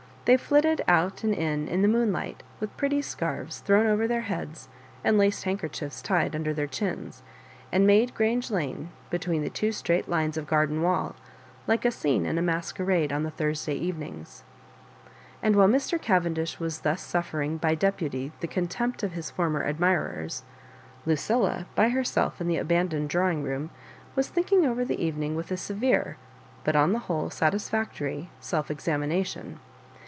They flitted out and in jj^ the moonlight with' pretty scarfs thrown Digitized by VjOOQIC 44 loss MABJOBIBANKS. over their heads and laoed handkerchiefs tied under their chins, and made Gran^ Lane, be tween the two straight lines of garden wall like a scene in a masquerade on the Tlmrsdaj even ings. And while Mr. Cavendish was thus suffer ing by deputy the contempt of his former admi rers, Lucilla, by herself in the abandoned draw ing room, was thinking over the evening with a severe but on the whole satisfectoiy self exami nation.